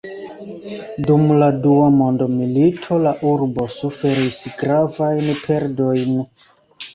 Dum la dua mondmilito la urbo suferis gravajn perdojn.